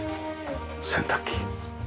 洗濯機。